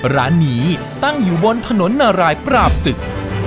ร้านนี้ตั้งอยู่บนถนนนารายปราบศึก